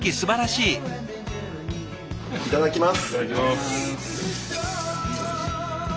いただきます。